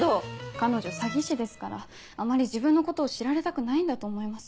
彼女詐欺師ですからあまり自分のことを知られたくないんだと思います。